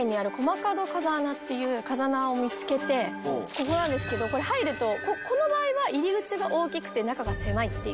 ここなんですけどこれ入るとこの場合は入り口が大きくて中が狭いっていう。